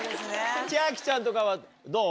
千秋ちゃんとかはどう？